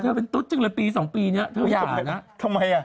ที่กลัวเธอเป็นตุ๊ดจึงละปีสองปีเนี้ยเธอย่าหรอทำไมอ่ะ